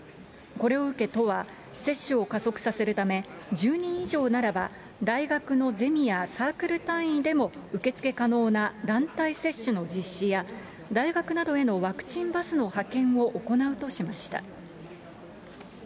これを受け都は、接種を加速させるため、１０人以上ならば、大学のゼミやサークル単位でも受け付け可能な団体接種の実施や、大学などへのワクチンバスの派遣も行うとしました。